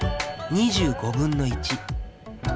２５分の１。